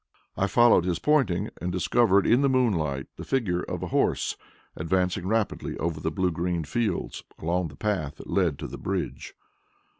I followed his pointing and discovered in the moonlight the figure of a horse advancing rapidly over the blue green fields, along the path that led to the bridge.